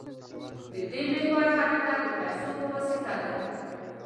د دې محور حرکت د پیسو په واسطه دی.